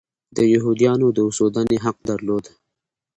د یهودیانو د اوسېدنې حق درلود.